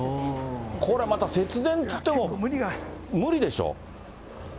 これはまた、節電っていっても無理でしょ？